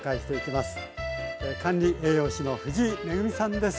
管理栄養士の藤井恵さんです。